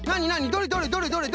どれどれどれどれ？